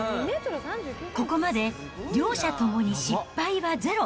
ここまで両者ともに失敗はゼロ。